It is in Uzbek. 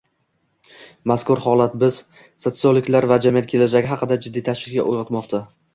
Mazkur holat biz, sosiologlarda jamiyat kelajagi haqida jiddiy tashvish uyg`otmoqda